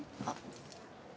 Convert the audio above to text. あっ。